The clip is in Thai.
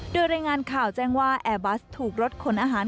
โดยรายงานข่าวแจ้งว่าแอร์บัสถูกรถขนอาหาร